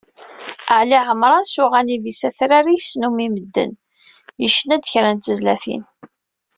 Ɛli Ɛemran, s uɣanib-is atrar i yesnum i medden, yecna-d kra n tezlatin.